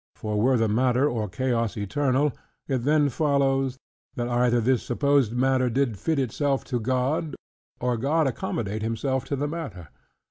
For were the matter or chaos eternal, it then follows, that either this supposed matter did fit itself to God, or God accommodate Himself to the matter.